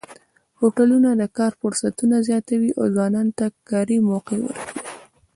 هوټلونه د کار فرصتونه زیاتوي او ځوانانو ته کاري موقع ورکوي.